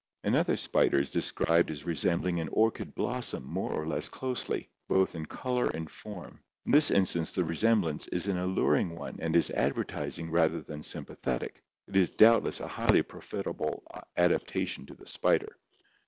Another spider is described as resembling an orchid blossom more or less closely, both in color and form. In this instance the resemblance is an alluring one and is advertising rather than sympathetic. It is doubtless a highly profitable adaptation to the spider.